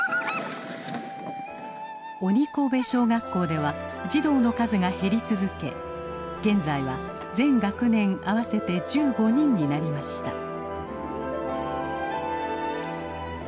鬼首小学校では児童の数が減り続け現在は全学年合わせて１５人になりました。